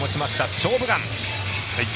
「勝負眼」。